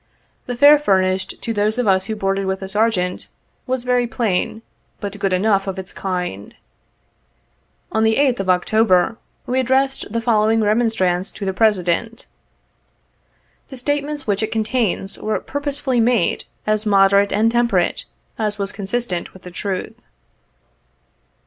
The fare fur nished, to those of us who boarded with the Sergeant, was very plain, but good enough of its kind. On the 8th of October we addressed the following remon strance to the President. The statements which it contains, were purposely made as moderate and temperate as was con sistent with the truth.